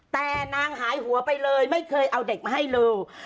แต่นางหายหัวไปเลยไม่เคยเอาเด็กมาให้เลย